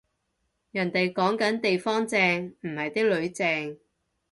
人哋講緊地方正，唔係啲囡正